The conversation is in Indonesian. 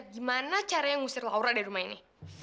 gimana caranya ngusir laura dari rumah ini